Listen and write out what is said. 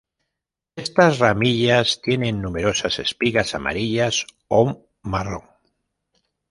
Estas ramillas tienen numerosas espigas amarillas o marrón.